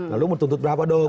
lalu mau tuntut berapa dong